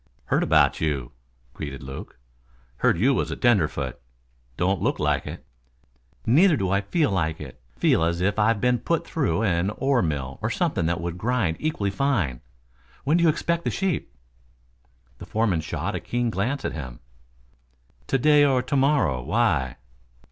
"Heard about you," greeted Luke. "Heard you was a tenderfoot. Don't look like it." "Neither do I feel like it. Feel as if I'd been put through an ore mill or something that would grind equally fine. When do you expect the sheep?" The foreman shot a keen glance at him. "To day or to morrow. Why?"